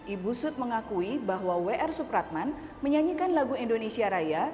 ibu sud mengakui bahwa w r supratman menyanyikan lagu indonesia raya